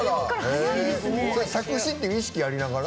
作詞って意識ありながら？